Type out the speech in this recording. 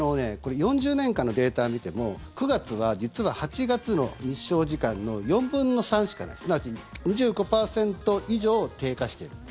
４０年間のデータを見ても９月は実は８月の日照時間の４分の３しかないすなわち２５％以上低下している。